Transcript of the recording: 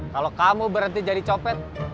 kalau kamu berhenti jadi copet